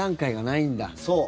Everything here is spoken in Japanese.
そう。